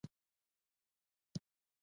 زه بیداد کلی ته روان یم.